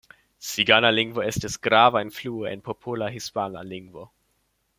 Cigana lingvo estis grava influo en popola hispana lingvo.